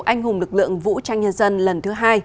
anh hùng lực lượng vũ trang nhân dân lần thứ hai